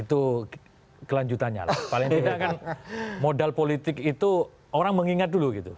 itu kelanjutannya lah paling tidak kan modal politik itu orang mengingat dulu gitu